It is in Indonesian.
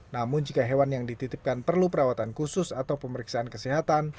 namun jika hewan yang dititipkan perlu perawatan khusus atau pemeriksaan kesehatan